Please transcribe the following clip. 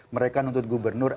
mereka nuntut gubernur